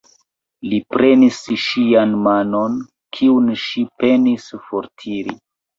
Li prenis ŝian manon, kiun ŝi penis fortiri.